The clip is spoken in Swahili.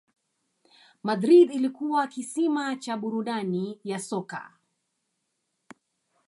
Madrid ilikuwa kisima cha burudani ya soka